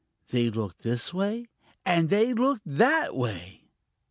They looked this way, and they looked that way.